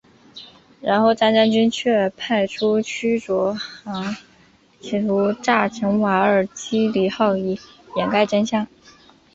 然后张将军却派出驱逐舰企图炸沉瓦尔基里号以掩盖真相。